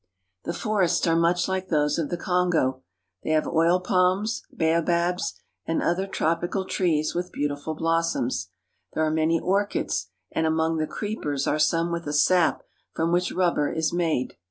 The forests are much like those of the Kongo. They have oil palms, baobabs, and other tropical trees with beautiful blossoms. There are many orchids, and among the creepers are some with a sap from which rubber is made.